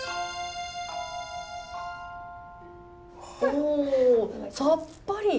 おさっぱり。